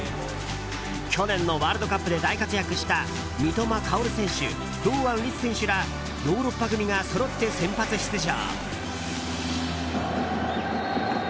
去年のワールドカップで大活躍した三笘薫選手、堂安律選手らヨーロッパ組がそろって先発出場。